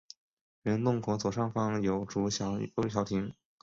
原洞口左上方有竹有小亭。